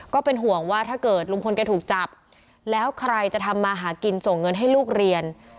ก็เป็นห่วงว่าถ้าเกิดลุงพลแกถูกจับแล้วใครจะทำมาหากินส่งเงินให้ลูกเรียน